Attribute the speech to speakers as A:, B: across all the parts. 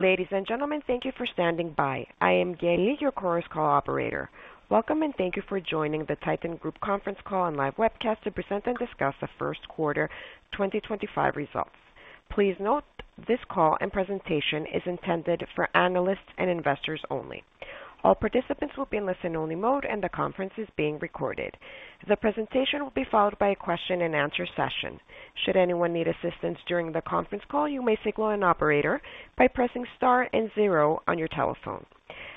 A: Ladies and gentlemen, thank you for standing by. I am Yanni, your course call operator. Welcome and thank you for joining the Titan Group conference call and live webcast to present and discuss the first quarter 2025 results. Please note this call and presentation is intended for analysts and investors only. All participants will be in listen-only mode, and the conference is being recorded. The presentation will be followed by a question-and-answer session. Should anyone need assistance during the conference call, you may signal an operator by pressing star and zero on your telephone.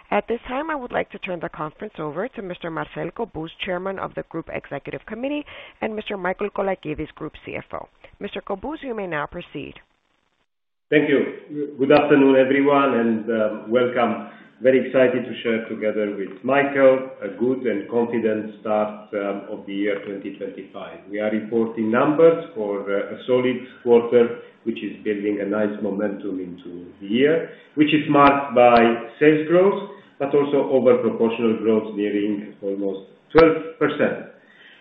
A: At this time, I would like to turn the conference over to Mr. Marcel Cobuz, Chairman of the Group Executive Committee, and Mr. Michael Colakides, Group CFO. Mr. Cobuz, you may now proceed.
B: Thank you. Good afternoon, everyone, and welcome. Very excited to share together with Michael a good and confident start of the year 2025. We are reporting numbers for a solid quarter, which is building a nice momentum into the year, which is marked by sales growth, but also overproportional growth nearing almost 12%.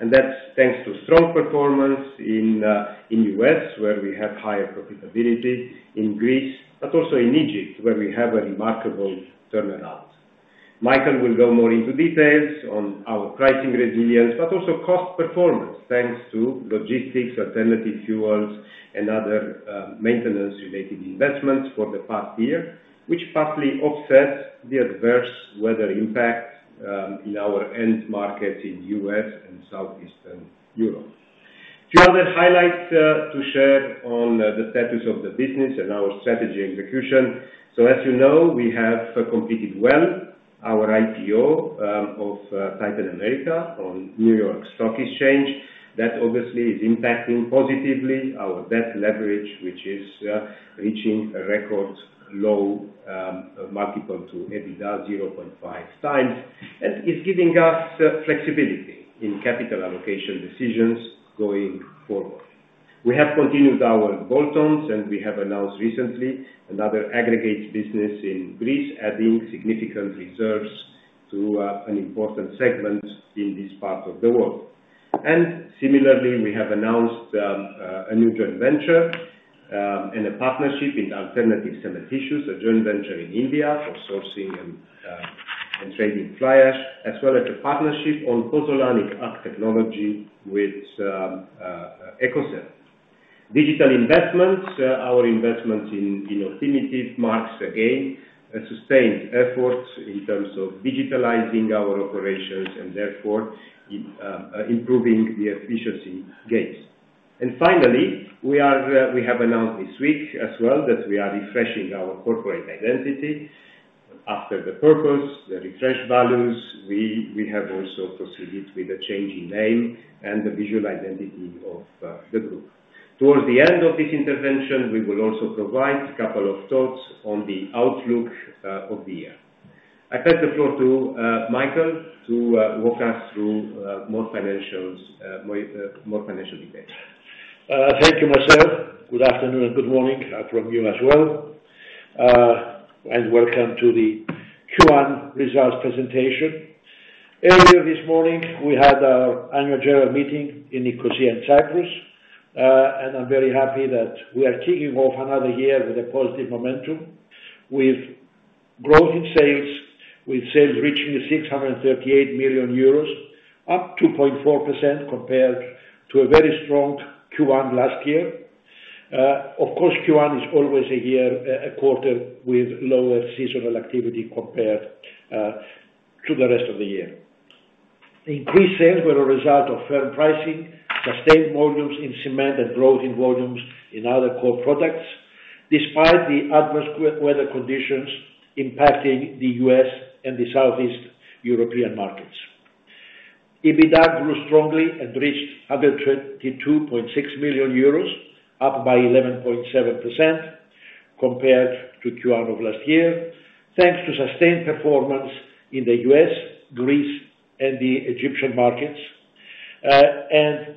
B: That's thanks to strong performance in the US, where we have higher profitability, in Greece, but also in Egypt, where we have a remarkable turnaround. Michael will go more into details on our pricing resilience, but also cost performance, thanks to logistics, alternative fuels, and other maintenance-related investments for the past year, which partly offsets the adverse weather impact in our end markets in the US and Southeastern Europe. A few other highlights to share on the status of the business and our strategy execution. As you know, we have completed well our IPO of Titan America on New York Stock Exchange. That obviously is impacting positively our debt leverage, which is reaching a record low multiple to EBITDA 0.5 times, and is giving us flexibility in capital allocation decisions going forward. We have continued our bolt-ons, and we have announced recently another aggregates business in Greece, adding significant reserves to an important segment in this part of the world. Similarly, we have announced a new joint venture and a partnership in alternative cementitious materials, a joint venture in India for sourcing and trading fly ash, as well as a partnership on pozzolanic cement technology with EchoSet. Digital investments, our investments in Optimity marks again a sustained effort in terms of digitalizing our operations and therefore improving the efficiency gains. We have announced this week as well that we are refreshing our corporate identity. After the purpose, the refreshed values, we have also proceeded with a changing name and the visual identity of the group. Towards the end of this intervention, we will also provide a couple of thoughts on the outlook of the year. I pass the floor to Michael to walk us through more financial details.
C: Thank you, Marcel. Good afternoon and good morning from you as well. Welcome to the Q1 results presentation. Earlier this morning, we had our annual general meeting in Nicosia in Cyprus, and I'm very happy that we are kicking off another year with a positive momentum, with growth in sales, with sales reaching 638 million euros, up 2.4% compared to a very strong Q1 last year. Of course, Q1 is always a quarter with lower seasonal activity compared to the rest of the year. Increased sales were a result of firm pricing, sustained volumes in cement, and growth in volumes in other core products, despite the adverse weather conditions impacting the US and the Southeast European markets. EBITDA grew strongly and reached 122.6 million euros, up by 11.7% compared to Q1 of last year, thanks to sustained performance in the US, Greece, and the Egyptian markets, and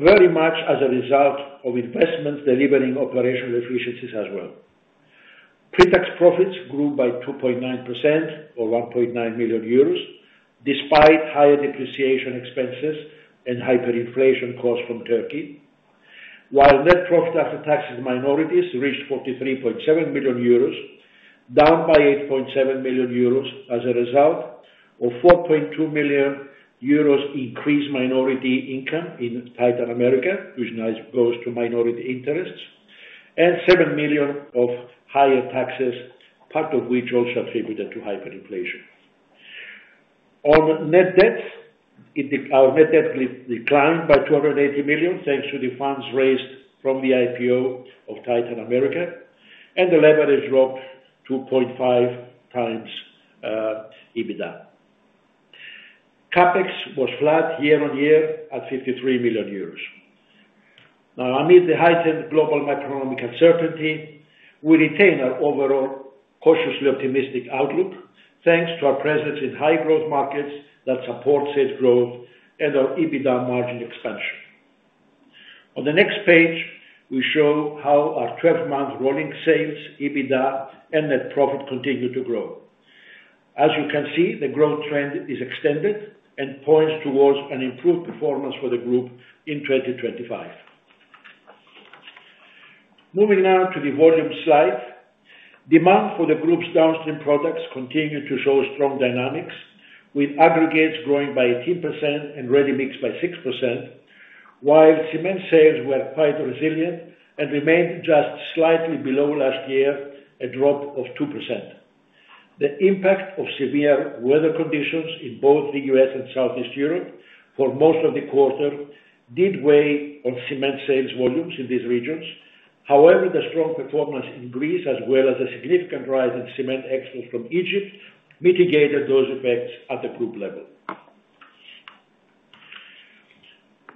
C: very much as a result of investments delivering operational efficiencies as well. Pretax profits grew by 2.9%, or 1.9 million euros, despite higher depreciation expenses and hyperinflation caused from Turkey, while net profit after taxes minorities reached 43.7 million euros, down by 8.7 million euros as a result of 4.2 million euros increased minority income in Titan America, which goes to minority interests, and 7 million of higher taxes, part of which also attributed to hyperinflation. On net debt, our net debt declined by 280 million, thanks to the funds raised from the IPO of Titan America, and the leverage dropped 2.5 times EBITDA. CapEx was flat year on year at 53 million euros. Now, amid the heightened global macroeconomic uncertainty, we retain our overall cautiously optimistic outlook, thanks to our presence in high-growth markets that support sales growth and our EBITDA margin expansion. On the next page, we show how our 12-month rolling sales, EBITDA, and net profit continue to grow. As you can see, the growth trend is extended and points towards an improved performance for the group in 2025. Moving now to the volume slide, demand for the group's downstream products continued to show strong dynamics, with aggregates growing by 18% and ready-mix by 6%, while cement sales were quite resilient and remained just slightly below last year, a drop of 2%. The impact of severe weather conditions in both the U.S. and Southeastern Europe for most of the quarter did weigh on cement sales volumes in these regions. However, the strong performance in Greece, as well as a significant rise in cement exports from Egypt, mitigated those effects at the group level.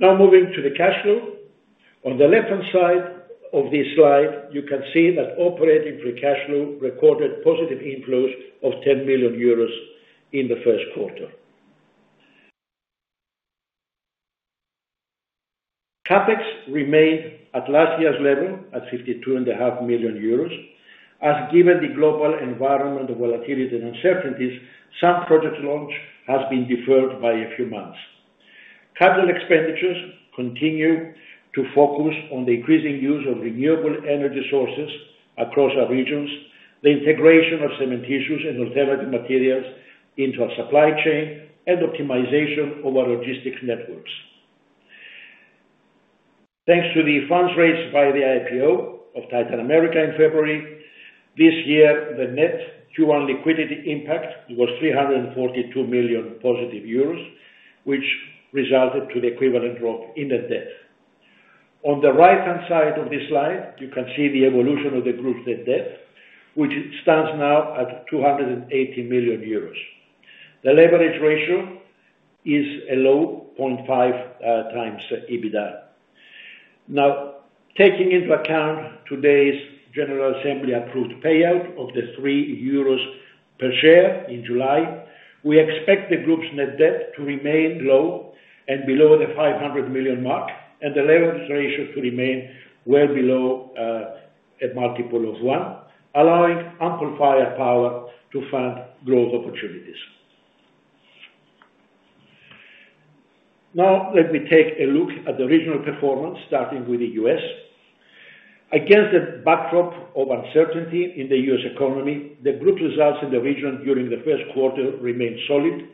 C: Now, moving to the cash flow. On the left-hand side of this slide, you can see that operating free cash flow recorded positive inflows of 10 million euros in the first quarter. CapEx remained at last year's level at 52.5 million euros, as given the global environment of volatility and uncertainties, some project launch has been deferred by a few months. Capital expenditures continue to focus on the increasing use of renewable energy sources across our regions, the integration of cement issues and alternative materials into our supply chain, and optimization of our logistics networks. Thanks to the funds raised by the IPO of Titan America in February this year, the net Q1 liquidity impact was 342 million euros positive, which resulted in the equivalent of inner debt. On the right-hand side of this slide, you can see the evolution of the group's net debt, which stands now at 280 million euros. The leverage ratio is a low 0.5 times EBITDA. Now, taking into account today's General Assembly approved payout of the 3 euros per share in July, we expect the group's net debt to remain low and below the 500 million mark, and the leverage ratio to remain well below a multiple of one, allowing ample firepower to fund growth opportunities. Now, let me take a look at the regional performance, starting with the U.S. Against the backdrop of uncertainty in the U.S. economy, the group's results in the region during the first quarter remained solid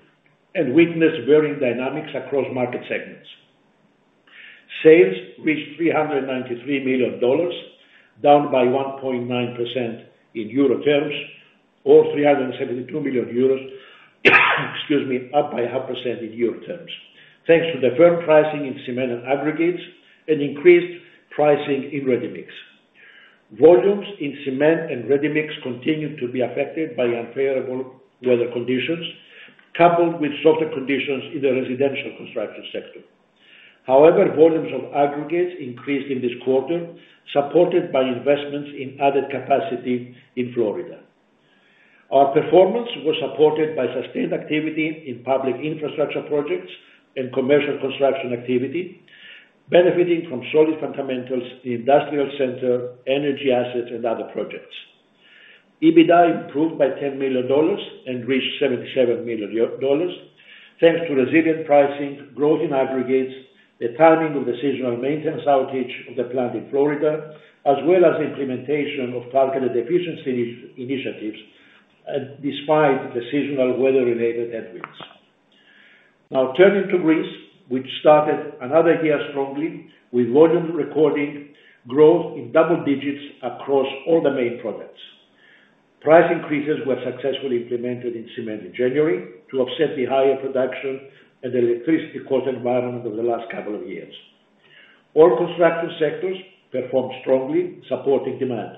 C: and witnessed varying dynamics across market segments. Sales reached $393 million, down by 1.9% in euro terms, or 372 million euros, excuse me, up by 0.5% in euro terms, thanks to the firm pricing in cement and aggregates and increased pricing in ready-mix. Volumes in cement and ready-mix continued to be affected by unfavorable weather conditions, coupled with softer conditions in the residential construction sector. However, volumes of aggregates increased in this quarter, supported by investments in added capacity in Florida. Our performance was supported by sustained activity in public infrastructure projects and commercial construction activity, benefiting from solid fundamentals in industrial center, energy assets, and other projects. EBITDA improved by $10 million and reached $77 million, thanks to resilient pricing, growth in aggregates, the timing of the seasonal maintenance outage of the plant in Florida, as well as the implementation of targeted efficiency initiatives despite the seasonal weather-related headwinds. Now, turning to Greece, which started another year strongly with volume recording growth in double digits across all the main products. Price increases were successfully implemented in cement in January to offset the higher production and electricity cost environment of the last couple of years. All construction sectors performed strongly, supporting demand.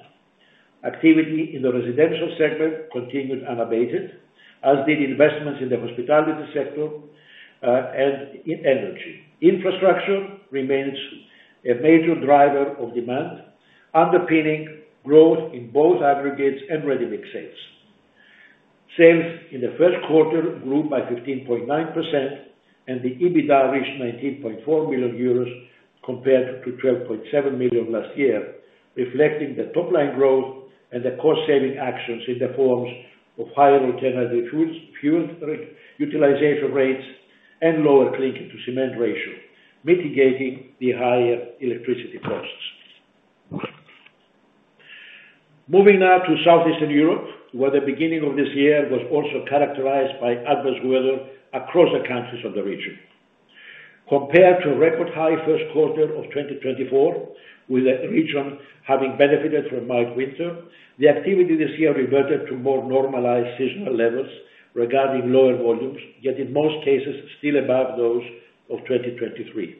C: Activity in the residential segment continued unabated, as did investments in the hospitality sector and in energy. Infrastructure remains a major driver of demand, underpinning growth in both aggregates and ready-mix sales. Sales in the first quarter grew by 15.9%, and the EBITDA reached 19.4 million euros compared to 12.7 million last year, reflecting the top-line growth and the cost-saving actions in the forms of higher alternative fuel utilization rates and lower clinker-to-cement ratio, mitigating the higher electricity costs. Moving now to Southeastern Europe, where the beginning of this year was also characterized by adverse weather across the countries of the region. Compared to a record high first quarter of 2024, with the region having benefited from mild winter, the activity this year reverted to more normalized seasonal levels regarding lower volumes, yet in most cases still above those of 2023.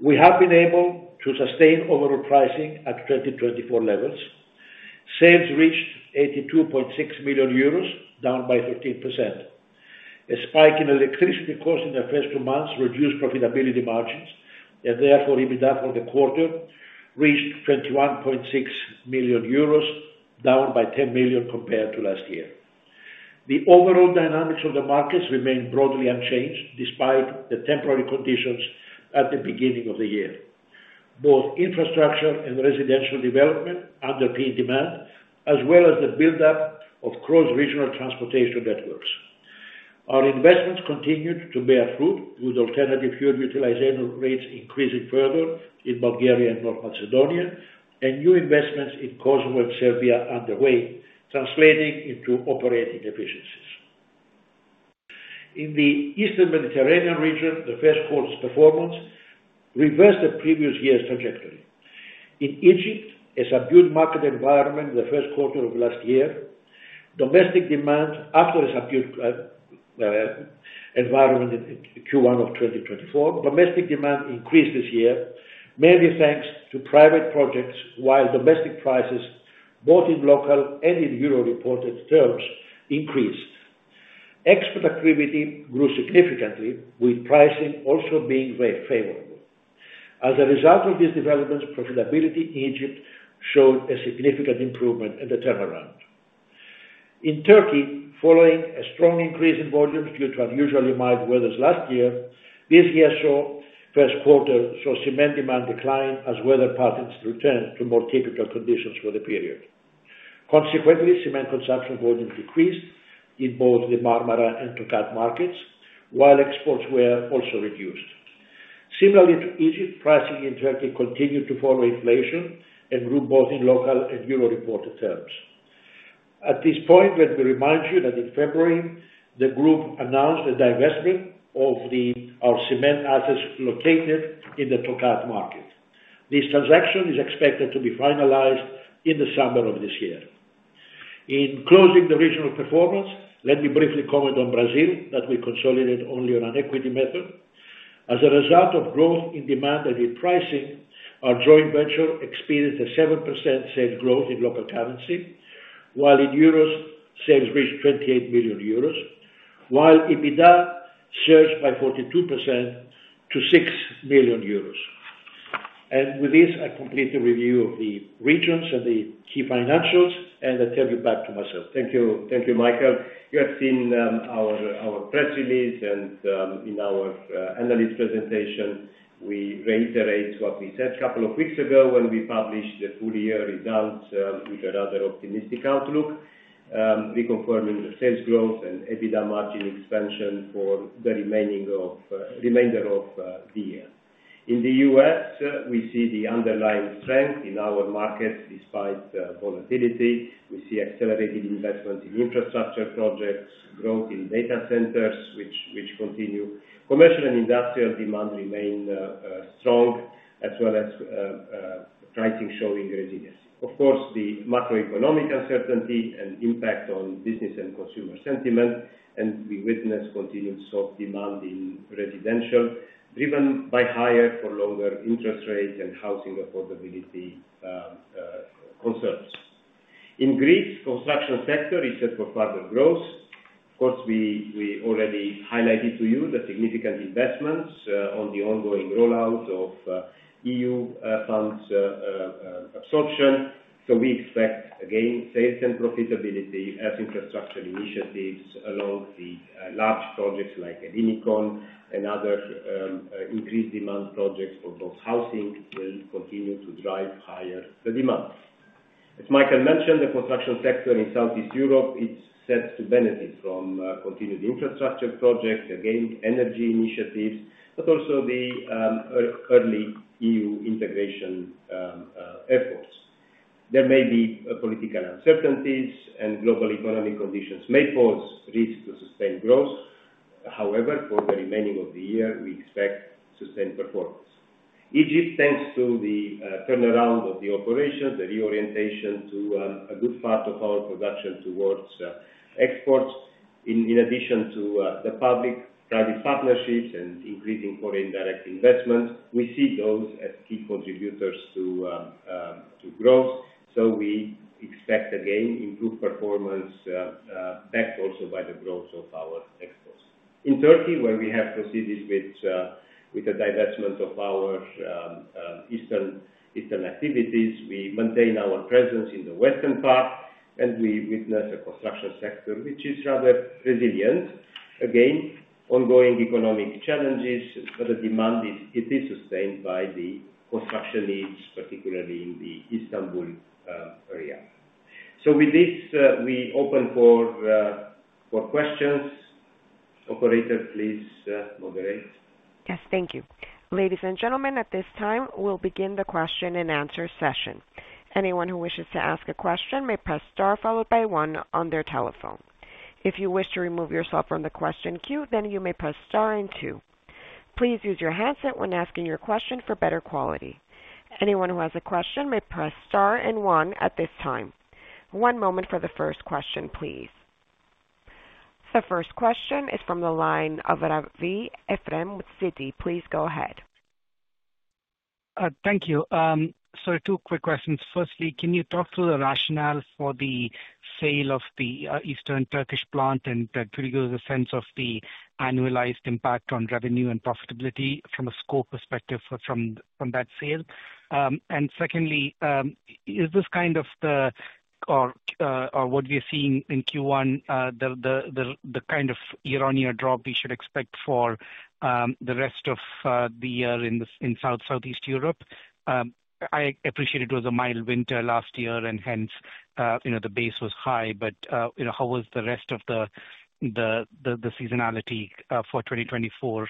C: We have been able to sustain overall pricing at 2024 levels. Sales reached 82.6 million euros, down by 13%. A spike in electricity costs in the first two months reduced profitability margins, and therefore EBITDA for the quarter reached 21.6 million euros, down by 10 million compared to last year. The overall dynamics of the markets remained broadly unchanged despite the temporary conditions at the beginning of the year. Both infrastructure and residential development underpinned demand, as well as the buildup of cross-regional transportation networks. Our investments continued to bear fruit, with alternative fuel utilization rates increasing further in Bulgaria and North Macedonia, and new investments in Kosovo and Serbia underway, translating into operating efficiencies. In the Eastern Mediterranean region, the first quarter's performance reversed the previous year's trajectory. In Egypt, a subdued market environment in the first quarter of last year, domestic demand after a subdued environment in Q1 of 2024, domestic demand increased this year, mainly thanks to private projects, while domestic prices, both in local and in euro-reported terms, increased. Export activity grew significantly, with pricing also being very favorable. As a result of these developments, profitability in Egypt showed a significant improvement and a turnaround. In Turkey, following a strong increase in volumes due to unusually mild weathers last year, this year's first quarter saw cement demand decline as weather patterns returned to more typical conditions for the period. Consequently, cement consumption volumes decreased in both the Marmara and Turkey markets, while exports were also reduced. Similarly to Egypt, pricing in Turkey continued to follow inflation and grew both in local and euro-reported terms. At this point, let me remind you that in February, the group announced a divestment of our cement assets located in the Turkey market. This transaction is expected to be finalized in the summer of this year. In closing the regional performance, let me briefly comment on Brazil that we consolidated only on an equity method. As a result of growth in demand and in pricing, our joint venture experienced a 7% sales growth in local currency, while in euros, sales reached 28 million euros, while EBITDA surged by 42% to 6 million euros. With this, I complete the review of the regions and the key financials, and I turn you back to Marcel.
B: Thank you, Michael. You have seen our press release, and in our analyst presentation, we reiterate what we said a couple of weeks ago when we published the full-year results with a rather optimistic outlook, reconfirming the sales growth and EBITDA margin expansion for the remainder of the year. In the U.S., we see the underlying strength in our markets despite volatility. We see accelerated investments in infrastructure projects, growth in data centers, which continue. Commercial and industrial demand remains strong, as well as pricing showing resiliency. Of course, the macroeconomic uncertainty and impact on business and consumer sentiment, and we witness continued soft demand in residential, driven by higher for longer interest rates and housing affordability concerns. In Greece, the construction sector is set for further growth. Of course, we already highlighted to you the significant investments on the ongoing rollout of EU funds absorption. We expect, again, sales and profitability as infrastructure initiatives along the large projects like Ellinikon and other increased demand projects for both housing will continue to drive higher demand. As Michael mentioned, the construction sector in Southeast Europe is set to benefit from continued infrastructure projects, again, energy initiatives, but also the early EU integration efforts. There may be political uncertainties, and global economic conditions may pose risks to sustain growth. However, for the remaining of the year, we expect sustained performance. Egypt, thanks to the turnaround of the operations, the reorientation to a good part of our production towards exports, in addition to the public-private partnerships and increasing foreign direct investments, we see those as key contributors to growth. We expect, again, improved performance backed also by the growth of our exports. In Turkey, where we have proceeded with a divestment of our eastern activities, we maintain our presence in the western part, and we witness a construction sector which is rather resilient. Again, ongoing economic challenges, but the demand is sustained by the construction needs, particularly in the Istanbul area. With this, we open for questions. Operator, please moderate.
A: Yes, thank you. Ladies and gentlemen, at this time, we'll begin the question-and-answer session. Anyone who wishes to ask a question may press star followed by one on their telephone. If you wish to remove yourself from the question queue, then you may press star and two. Please use your handset when asking your question for better quality. Anyone who has a question may press star and one at this time. One moment for the first question, please. The first question is from the line of Ravi Efrem Mutsidi. Please go ahead. Thank you. Two quick questions. Firstly, can you talk through the rationale for the sale of the Eastern Turkish plant and give us a sense of the annualized impact on revenue and profitability from a scope perspective from that sale? Secondly, is this kind of the, or what we are seeing in Q1, the kind of year-on-year drop we should expect for the rest of the year in Southeast Europe? I appreciate it was a mild winter last year, and hence the base was high, but how is the rest of the seasonality for 2024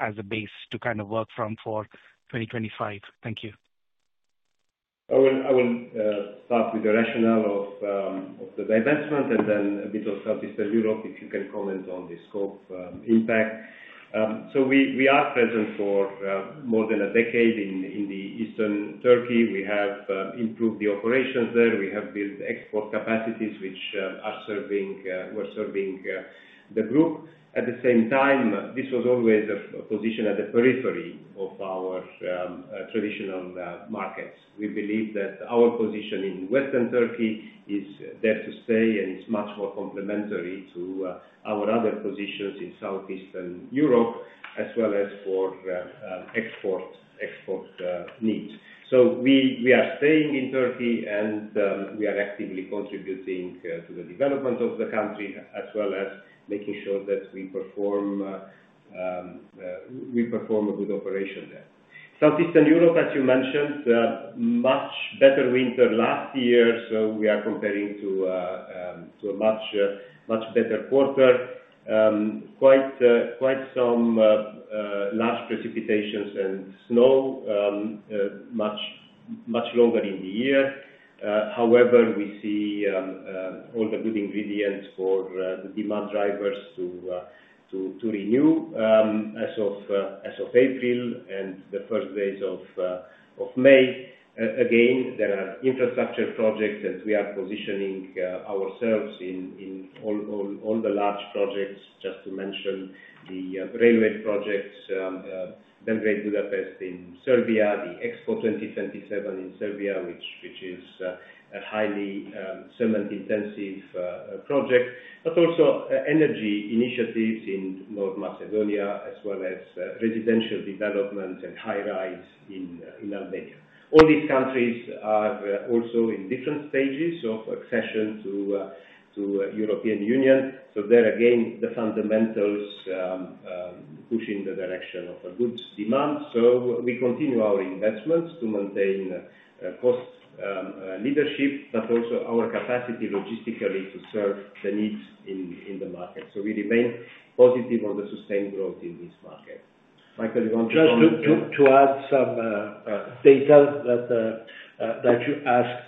A: as a base to kind of work from for 2025? Thank you.
B: I will start with the rationale of the divestment and then a bit of Southeastern Europe, if you can comment on the scope impact. We are present for more than a decade in Eastern Turkey. We have improved the operations there. We have built export capacities which are serving the group. At the same time, this was always a position at the periphery of our traditional markets. We believe that our position in Western Turkey is there to stay, and it's much more complementary to our other positions in Southeastern Europe, as well as for export needs. We are staying in Turkey, and we are actively contributing to the development of the country, as well as making sure that we perform a good operation there. Southeastern Europe, as you mentioned, much better winter last year, so we are comparing to a much better quarter. Quite some large precipitations and snow, much longer in the year. However, we see all the good ingredients for the demand drivers to renew as of April and the first days of May. Again, there are infrastructure projects, and we are positioning ourselves in all the large projects, just to mention the railway projects, Belgrade-Budapest in Serbia, the Expo 2027 in Serbia, which is a highly cement-intensive project, but also energy initiatives in North Macedonia, as well as residential development and high-rise in Albania. All these countries are also in different stages of accession to the European Union. There, again, the fundamentals push in the direction of a good demand. We continue our investments to maintain cost leadership, but also our capacity logistically to serve the needs in the market. We remain positive on the sustained growth in this market. Michael, you want to add?
C: Just to add some data that you asked.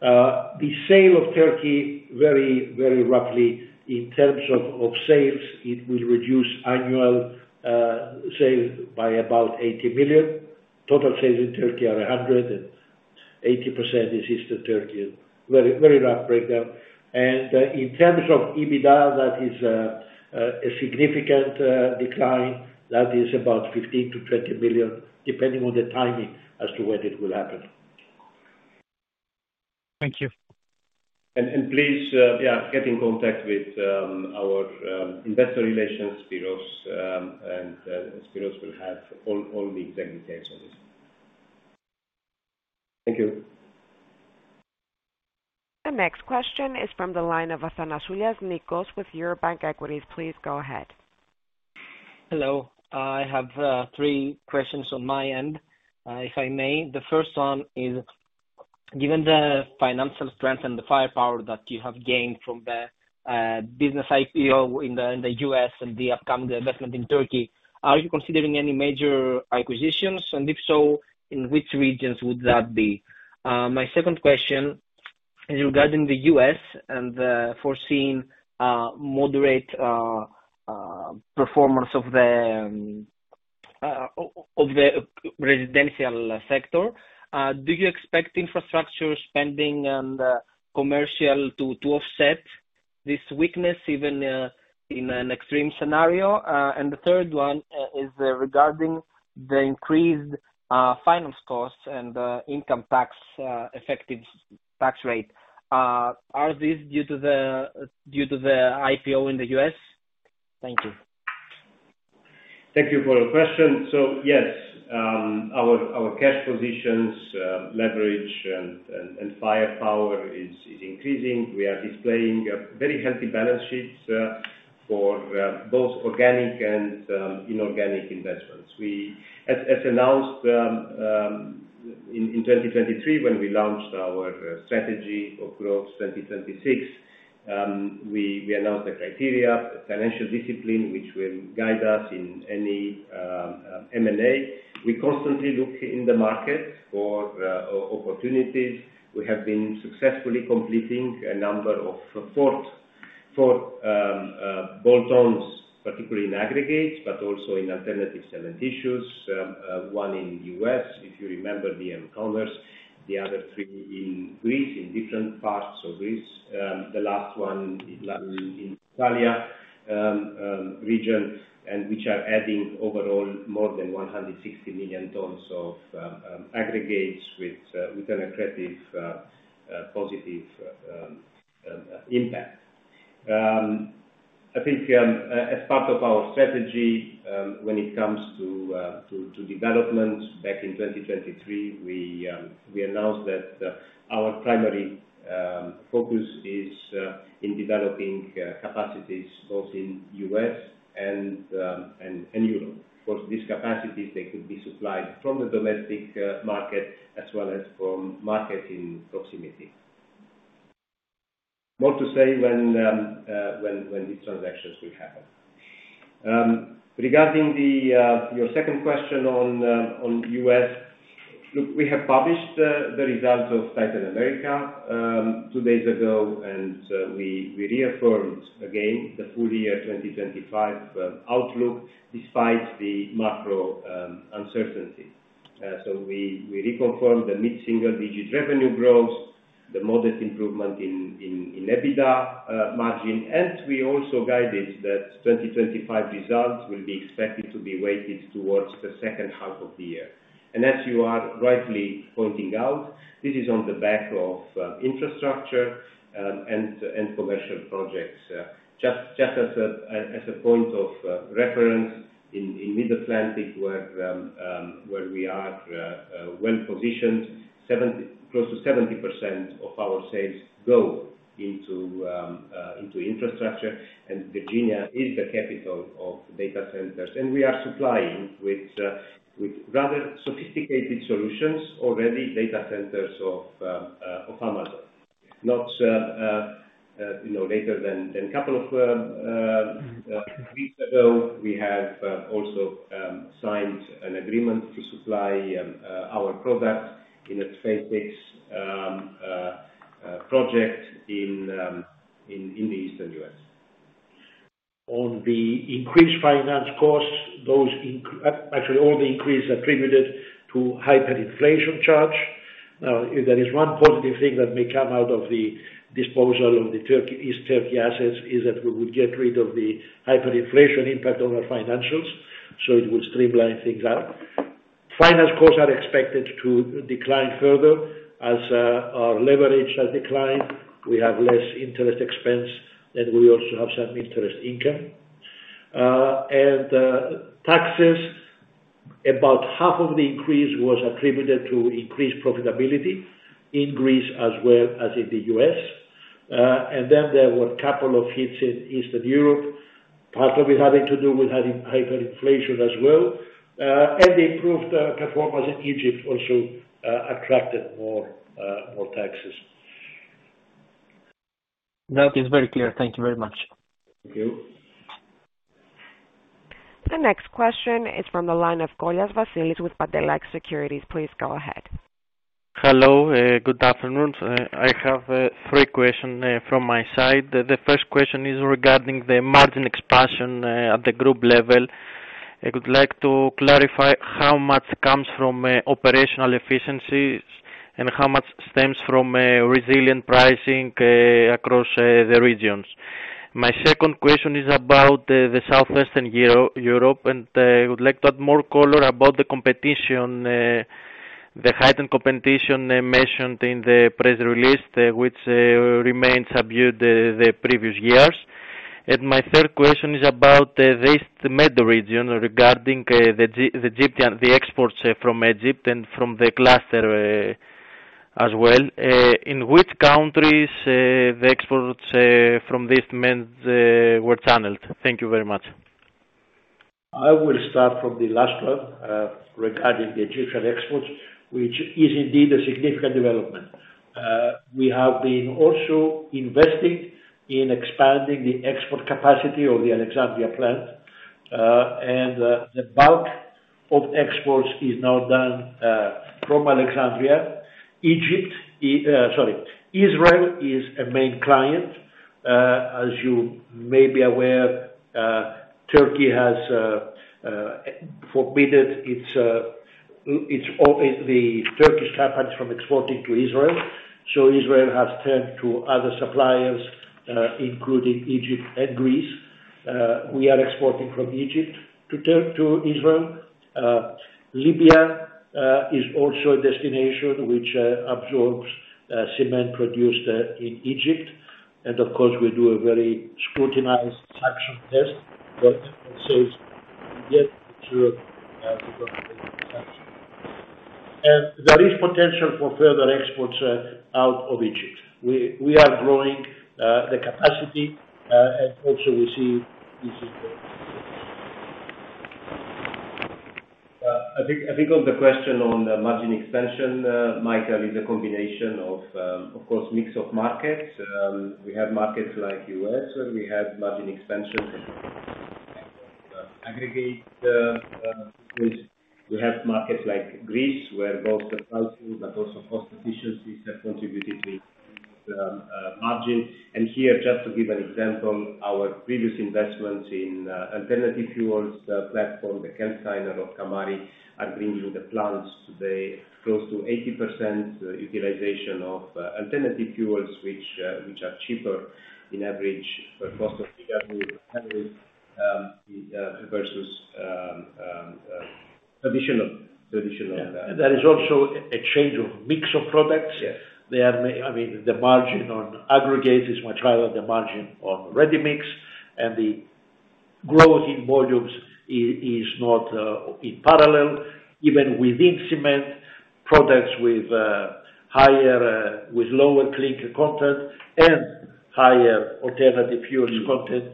C: The sale of Turkey, very roughly, in terms of sales, it will reduce annual sales by about 80 million. Total sales in Turkey are 180 million. This is the Turkey. Very rough breakdown. In terms of EBITDA, that is a significant decline. That is about 15-20 million, depending on the timing as to when it will happen. Thank you.
B: Please, yeah, get in contact with our investor relations bureaus, and bureaus will have all the exact details on this. Thank you.
A: The next question is from the line of Athanasoulias Nikos with Eurobank Equities. Please go ahead.
D: Hello. I have three questions on my end, if I may. The first one is, given the financial strength and the firepower that you have gained from the business IPO in the US and the upcoming investment in Turkey, are you considering any major acquisitions? If so, in which regions would that be? My second question is regarding the US and foreseeing moderate performance of the residential sector.
B: Do you expect infrastructure spending and commercial to offset this weakness, even in an extreme scenario? The third one is regarding the increased finance costs and income tax effective tax rate. Are these due to the IPO in the US? Thank you. Thank you for the question. Yes, our cash positions, leverage, and firepower is increasing. We are displaying very healthy balance sheets for both organic and inorganic investments. As announced in 2023, when we launched our strategy of growth 2026, we announced the criteria, financial discipline, which will guide us in any M&A. We constantly look in the market for opportunities. We have been successfully completing a number of fourth bolt-ons, particularly in aggregates, but also in alternative cement issues, one in the US, if you remember, Diem Commerce, the other three in Greece, in different parts of Greece, the last one in the Italia region, and which are adding overall more than 160 million tons of aggregates with an accretive positive impact. I think as part of our strategy, when it comes to development, back in 2023, we announced that our primary focus is in developing capacities both in the US and Europe. Of course, these capacities, they could be supplied from the domestic market as well as from markets in proximity. More to say when these transactions will happen. Regarding your second question on the U.S., look, we have published the results of Titan America two days ago, and we reaffirmed, again, the full-year 2025 outlook despite the macro uncertainty. We reconfirmed the mid-single-digit revenue growth, the modest improvement in EBITDA margin, and we also guided that 2025 results will be expected to be weighted towards the second half of the year. As you are rightly pointing out, this is on the back of infrastructure and commercial projects. Just as a point of reference, in Mid-Atlantic, where we are well positioned, close to 70% of our sales go into infrastructure, and Virginia is the capital of data centers. We are supplying with rather sophisticated solutions already, data centers of Amazon. Not later than a couple of weeks ago, we have also signed an agreement to supply our product in a SpaceX project in the Eastern U.S. On the increased finance costs, actually, all the increase attributed to hyperinflation charge. Now, there is one positive thing that may come out of the disposal of the East Turkey assets is that we would get rid of the hyperinflation impact on our financials, so it would streamline things out. Finance costs are expected to decline further as our leverage has declined. We have less interest expense, and we also have some interest income. Taxes, about half of the increase was attributed to increased profitability in Greece as well as in the U.S. There were a couple of hits in Eastern Europe, partly having to do with having hyperinflation as well. Improved performance in Egypt also attracted more taxes.
D: Now it is very clear. Thank you very much. Thank you.
A: The next question is from the line of Golias Vasilis with Badelike Securities. Please go ahead.
E: Hello. Good afternoon. I have three questions from my side. The first question is regarding the margin expansion at the group level. I would like to clarify how much comes from operational efficiencies and how much stems from resilient pricing across the regions. My second question is about the Southwestern Europe, and I would like to add more color about the heightened competition mentioned in the press release, which remains subdued the previous years. My third question is about the East Med region regarding the exports from Egypt and from the cluster as well. In which countries the exports from the East Med were channeled? Thank you very much.
C: I will start from the last one regarding the Egyptian exports, which is indeed a significant development. We have been also investing in expanding the export capacity of the Alexandria plant, and the bulk of exports is now done from Alexandria. Egypt, sorry, Israel is a main client. As you may be aware, Turkey has forbidden the Turkish companies from exporting to Israel. Israel has turned to other suppliers, including Egypt and Greece. We are exporting from Egypt to Israel. Libya is also a destination which absorbs cement produced in Egypt. Of course, we do a very scrutinized suction test that saves the Egyptian to go to the Egyptian suction. There is potential for further exports out of Egypt. We are growing the capacity, and also we see. This is the I think on the question on margin expansion, Michael, is a combination of, of course, mix of markets. We have markets like US where we have margin expansion from aggregate. We have markets like Greece where both the pricing but also cost efficiencies have contributed to margin. Here, just to give an example, our previous investments in alternative fuels platform, the Kemptziner of Kamari, are bringing the plants today close to 80% utilization of alternative fuels, which are cheaper in average per cost of energy versus traditional. There is also a change of mix of products. I mean, the margin on aggregates is much higher than the margin on ready-mix, and the growth in volumes is not in parallel. Even within cement, products with lower clinker content and higher alternative fuels content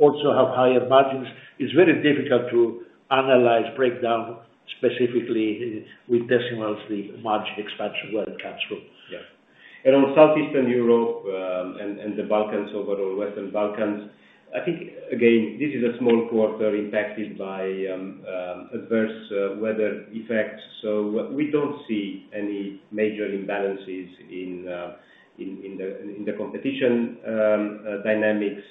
C: also have higher margins. It's very difficult to analyze breakdown specifically with decimals the margin expansion where it comes from. Yeah. On Southeastern Europe and the Balkans, overall, Western Balkans, I think, again, this is a small quarter impacted by adverse weather effects. We do not see any major imbalances in the competition dynamics.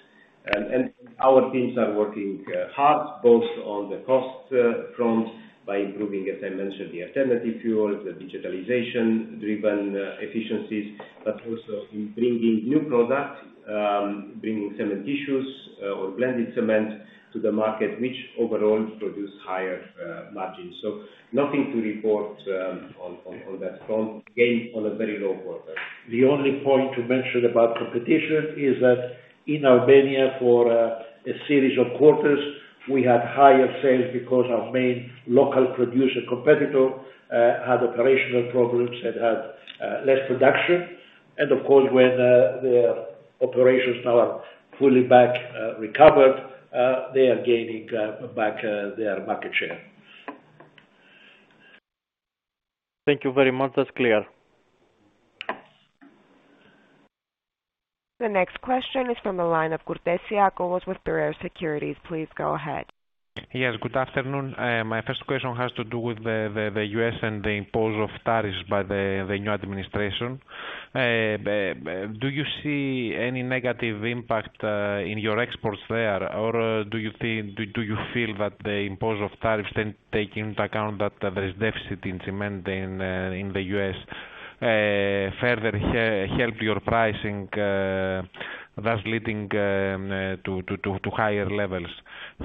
C: Our teams are working hard both on the cost front by improving, as I mentioned, the alternative fuels, the digitalization-driven efficiencies, but also in bringing new products, bringing cement issues or blended cement to the market, which overall produce higher margins. Nothing to report on that front, again, on a very low quarter. The only point to mention about competition is that in Albania, for a series of quarters, we had higher sales because our main local producer competitor had operational problems and had less production. Of course, when the operations now are fully back recovered, they are gaining back their market share.
E: Thank you very much. That is clear.
A: The next question is from the line of Gurtesia Akolos with Barrier Securities. Please go ahead. Yes. Good afternoon. My first question has to do with the U.S. and the impose of tariffs by the new administration. Do you see any negative impact in your exports there, or do you feel that the impose of tariffs, taking into account that there is deficit in cement in the U.S., further helped your pricing, thus leading to higher levels?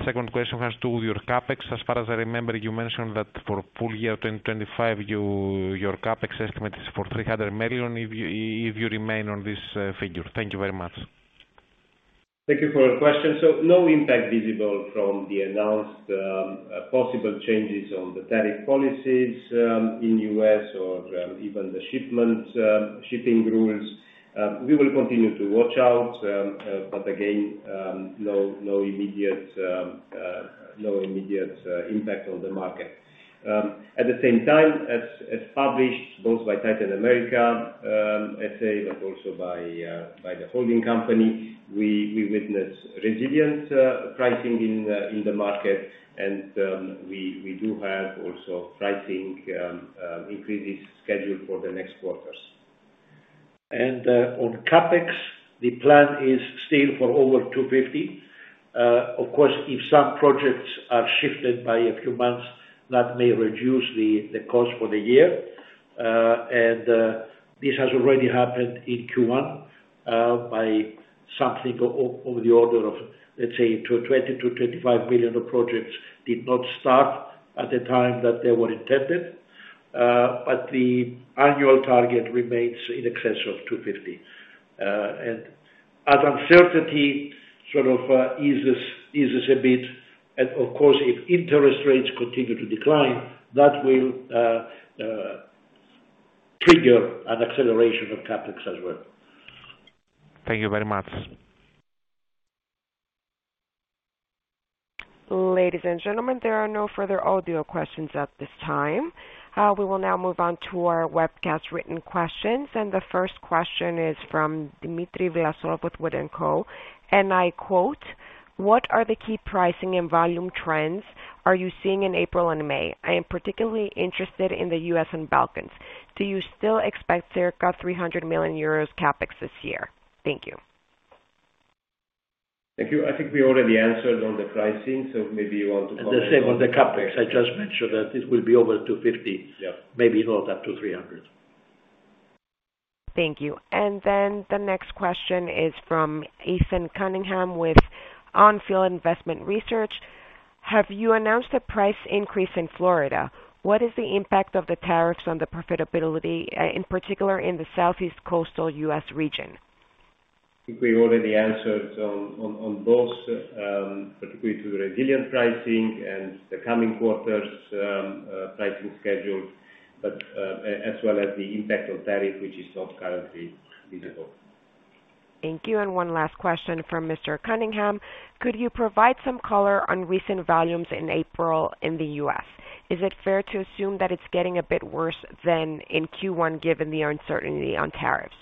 A: Second question has to do with your CapEx. As far as I remember, you mentioned that for full year 2025, your CapEx estimate is for $300 million if you remain on this figure. Thank you very much.
C: Thank you for the question. No impact visible from the announced possible changes on the tariff policies in the U.S. or even the shipping rules. We will continue to watch out, but again, no immediate impact on the market. At the same time, as published both by Titan America, but also by the holding company, we witness resilient pricing in the market, and we do have also pricing increases scheduled for the next quarters. On CapEx, the plan is still for over 250 million.
B: Of course, if some projects are shifted by a few months, that may reduce the cost for the year. This has already happened in Q1 by something on the order of, let's say, 20-25 million of projects did not start at the time that they were intended, but the annual target remains in excess of 250 million. Uncertainty sort of eases a bit. Of course, if interest rates continue to decline, that will trigger an acceleration of CapEx as well. Thank you very much.
A: Ladies and gentlemen, there are no further audio questions at this time.
C: We will now move on to our webcast written questions. The first question is from Dimitri Vlasonov with Wood & Co. I quote, "What are the key pricing and volume trends are you seeing in April and May? I am particularly interested in the U.S. and Balkans. Do you still expect circa 300 million euros CapEx this year?" Thank you.
B: Thank you. I think we already answered on the pricing, so maybe you want to comment on that.
C: As I said, on the CapEx, I just mentioned that it will be over 250 million, maybe not up to 300 million.
A: Thank you. The next question is from Ethan Cunningham with Onfield Investment Research. "Have you announced a price increase in Florida? What is the impact of the tariffs on the profitability, in particular in the Southeast Coastal US region?
C: I think we already answered on both, particularly to the resilient pricing and the coming quarter's pricing schedule, as well as the impact on tariff, which is not currently visible. Thank you.
A: One last question from Mr. Cunningham. Could you provide some color on recent volumes in April in the US? Is it fair to assume that it's getting a bit worse than in Q1 given the uncertainty on tariffs?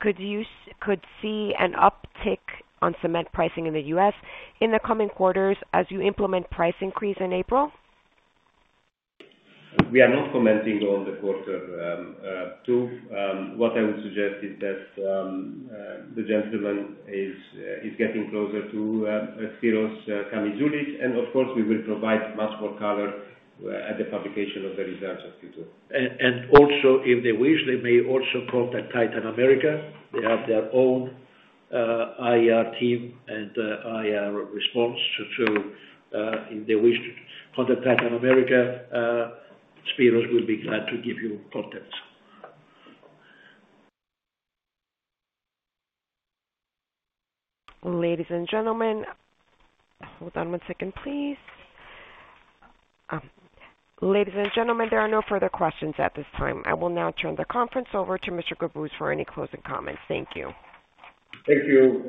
A: Could you see an uptick on cement pricing in the US in the coming quarters as you implement price increase in April?
B: We are not commenting on the quarter two. What I would suggest is that the gentleman is getting closer to Siros Kamizulic, and of course, we will provide much more color at the publication of the results of Q2. If they wish, they may also contact Titan America. They have their own IR team and IR response too. If they wish to contact Titan America, Siros will be glad to give you contacts.
A: Ladies and gentlemen, hold on one second, please. Ladies and gentlemen, there are no further questions at this time. I will now turn the conference over to Mr. Cobuz for any closing comments. Thank you.
B: Thank you,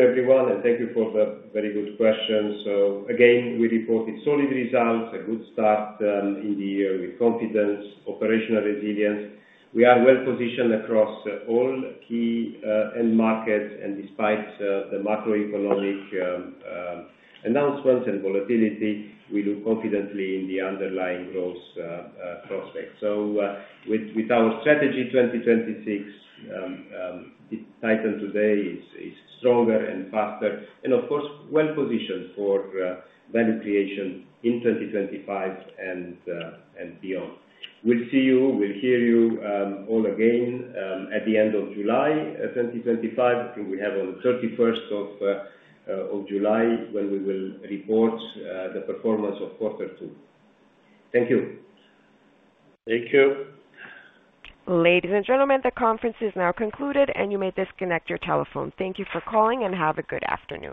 B: everyone, and thank you for the very good questions. Again, we reported solid results, a good start in the year with confidence, operational resilience. We are well positioned across all key end markets, and despite the macroeconomic announcements and volatility, we look confidently in the underlying growth prospects. With our strategy 2026, Titan today is stronger and faster, and of course, well positioned for value creation in 2025 and beyond. We'll see you. We'll hear you all again at the end of July 2025. I think we have on the 31st of July when we will report the performance of quarter two. Thank you.
C: Thank you. Ladies and gentlemen, the conference is now concluded, and you may disconnect your telephone. Thank you for calling, and have a good afternoon.